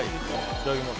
いただきます。